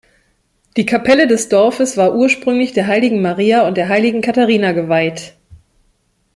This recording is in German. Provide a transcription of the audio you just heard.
Die Kapelle des Dorfes war ursprünglich der heiligen Maria und der heiligen Katharina geweiht.